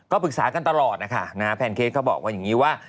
ปรึกษากันตลอดนะคะแพนเค้กเขาบอกว่าอย่างนี้ว่า